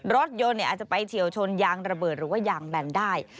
รถยนต์อาจจะไปเฉียวชนยางระเบิดหรือว่ายางแบนได้